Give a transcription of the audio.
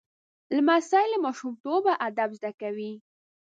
لمسی له ماشومتوبه ادب زده کوي.